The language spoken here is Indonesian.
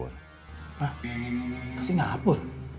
hah ke singapur